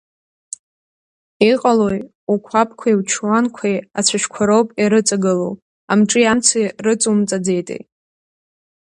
Иҟалои, уқәабқәеи учуанқәеи ацәашьқәа роуп ирыҵагылоу, амҿи амцеи рыҵаумҵаӡеитеи?